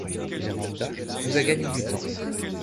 Vérand’a nous a gagné du temps.